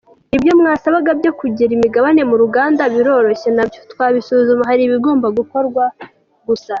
Ibyo mwasabaga byo kugira imigabane mu ruganda biroroshye nabyo twabisuzuma hari ibigomba gukorwa gusa.